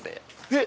えっ！